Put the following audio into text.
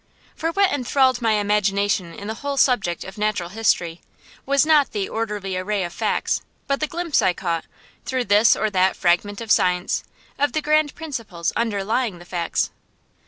For what enthralled my imagination in the whole subject of natural history was not the orderly array of facts, but the glimpse I caught, through this or that fragment of science, of the grand principles underlying the facts.